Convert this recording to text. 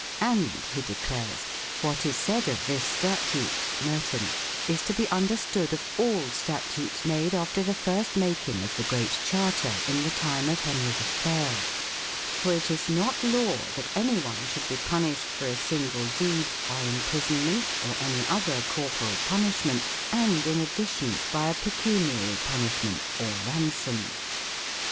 3 "And," he declares, "what is said of this statute [Merton] is to be understood of all statutes made after the first making of the Great Charter in the time of Henry III, for it is not law that anyone should be punished for a single deed by imprisonment or any other corporal punishment, and in addition by a pecuniary punishment or ransom."